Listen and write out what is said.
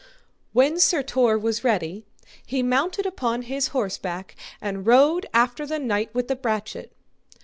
When Sir Tor was ready, he mounted upon his horseback, and rode after the knight with the brachet.